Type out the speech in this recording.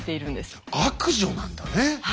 「悪女」なんだね。